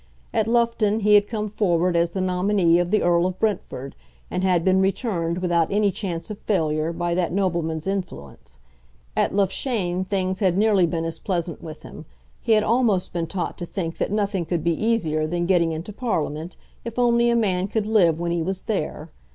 At Loughton he had come forward as the nominee of the Earl of Brentford, and had been returned without any chance of failure by that nobleman's influence. At Loughshane things had nearly been as pleasant with him. He had almost been taught to think that nothing could be easier than getting into Parliament if only a man could live when he was there.